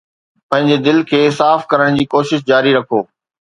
پنهنجي دل کي صاف ڪرڻ جي ڪوشش جاري رکو